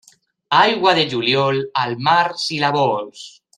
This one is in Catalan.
Aigua de juliol, al mar si la vols.